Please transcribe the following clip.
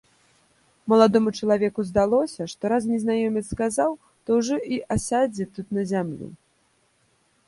Маладому чалавеку здалося, што раз незнаёмец сказаў, то ўжо і асядзе тут на зямлю.